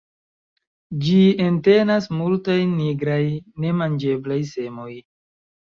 Ĝi entenas multajn nigraj, ne manĝeblaj semoj.